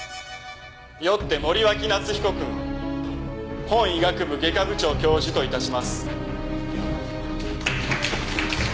よって森脇夏彦くんを本医学部外科部長教授と致します。